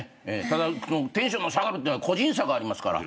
ただテンションの下がるっていうのは個人差がありますから。